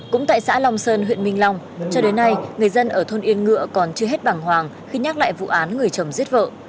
cũng tại xã long sơn huyện minh long cho đến nay người dân ở thôn yên ngựa còn chưa hết bằng hoàng khi nhắc lại vụ án người chồng giết vợ